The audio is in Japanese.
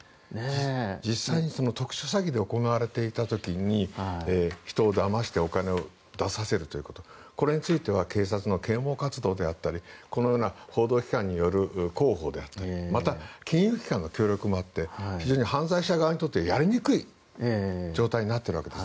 実際に特殊詐欺が行われていた時に人をだましてお金を出させるとか警察の啓もう活動とかこのような報道機関による広報であったりまた、金融機関の協力もあって非常に犯罪者側にとってやりにくい状態になっているわけです。